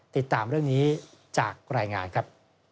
ติดตามเรื่องนี้จากรายงานครับ